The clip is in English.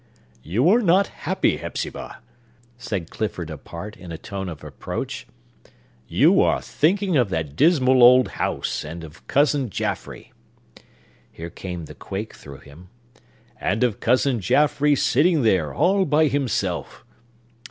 "You are not happy, Hepzibah!" said Clifford, apart, in a tone of reproach. "You are thinking of that dismal old house, and of Cousin Jaffrey"—here came the quake through him,—"and of Cousin Jaffrey sitting there, all by himself!